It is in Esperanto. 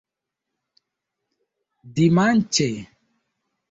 dimanĉe